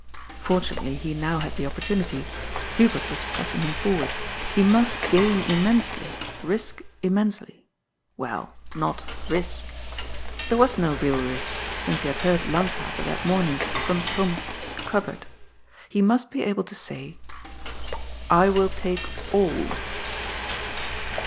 Fortunately he now had the opportunity. Hu bert was pressing him forward. He must gain immensely, risk immensely, well, not " risk." There was no real risk, since he had heard Lankater that morning, from Thomas's cupboard. He must be able to say :" I wiU take all."